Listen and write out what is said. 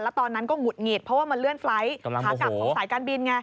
ตอนนั้นก็หุดหงิดเพราะว่ามันเลื่อนไฟล์ทขากลับของสายการบินไง